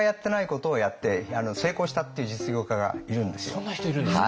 そんな人いるんですか。